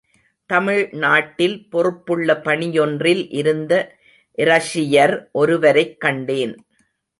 தமிழ்நாட்டில் பொறுப்புள்ள பணியொன்றில் இருந்த இரஷியர் ஒருவரைக் கண்டேன்.